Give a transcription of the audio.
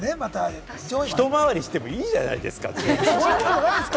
ひと回りしてもいいじゃないですか！